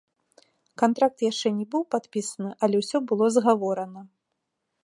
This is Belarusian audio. Кантракт яшчэ не быў падпісаны, але ўсё было згаворана.